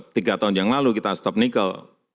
tiga tahun yang lalu kita stop nikel